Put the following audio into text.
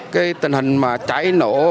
cái tình hình cháy nổ